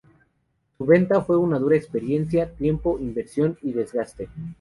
Su venta fue una dura experiencia, tiempo, inversión y desgaste.